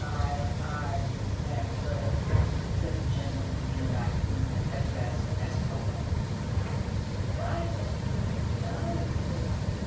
Ah, I remember," said the gentleman in raccoon addressed as Koko. "Delighted, delighted!"